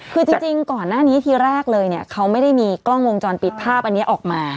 คือจริงก่อนหน้านี้ทีแรกเลยเนี่ยเขาไม่ได้มีกล้องวงจรปิดภาพอันนี้ออกมา